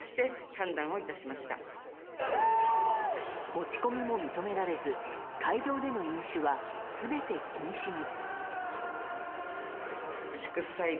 持ち込みも認められず会場での飲酒は全て禁止に。